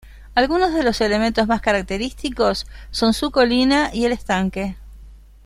Alguno de los elementos más característicos son su colina y el estanque.